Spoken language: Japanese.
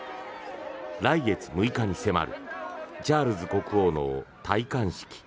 来月６日に迫るチャールズ国王の戴冠式。